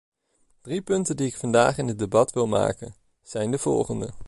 De drie punten die ik vandaag in het debat wil maken, zijn de volgende.